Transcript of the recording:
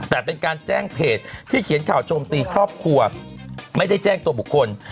แต่เป็นการแจ้งเพจที่เขียนข่าวโจมตีครอบครัวไม่ได้แจ้งตัวบุคคล